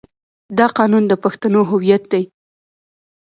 دا قانون د پښتنو هویت دی.